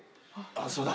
そうだ。